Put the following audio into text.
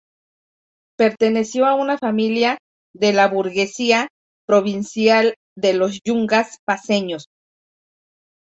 Perteneció a una familia de la burguesía provincial de los yungas paceños.